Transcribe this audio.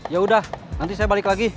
ya udah nanti saya balik lagi